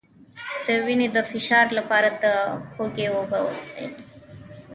د وینې د فشار لپاره د هوږې اوبه وڅښئ